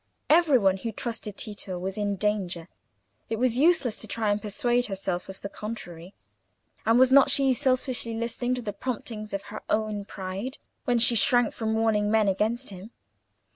Every one who trusted Tito was in danger; it was useless to try and persuade herself of the contrary. And was not she selfishly listening to the promptings of her own pride, when she shrank from warning men against him?